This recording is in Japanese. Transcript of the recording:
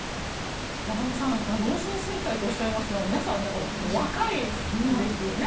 中野さん老人戦隊とおっしゃいましたが皆さん、お若いですよね。